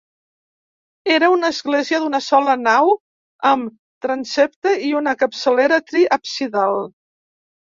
Era una església d'una sola nau amb transsepte i una capçalera triabsidal.